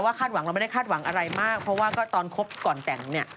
คาดหวังเราไม่ได้คาดหวังอะไรมากเพราะว่าก็ตอนคบก่อนแต่งเนี่ย